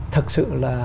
thật sự là